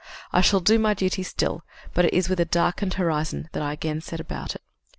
I shall do my duty still, but it is with a darkened horizon that I again set about it."